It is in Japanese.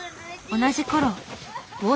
同じ頃。